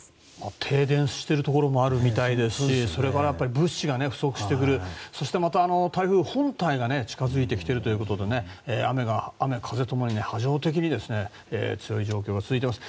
停電しているところもあるみたいですしそれから物資が不足してるそしてまた、台風本体が近づいてきているということで雨風共に波状的に強い状況が続いています。